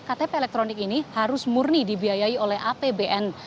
ktp elektronik ini harus murni dibiayai oleh apbn